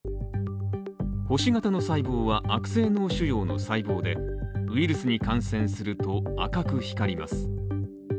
星形の細胞は悪性脳腫瘍の細胞でウイルスに感染すると赤く光ります。